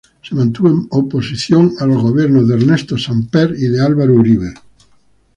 Se mantuvo en oposición a los gobiernos de Ernesto Samper y de Álvaro Uribe.